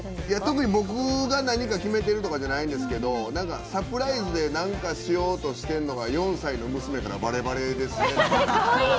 特に僕が何か決めてるとかじゃないんですけどサプライズでなんかしようとしてんのが４歳の娘からバレバレですね。